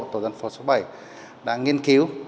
tổ dân phố số bảy đã nghiên cứu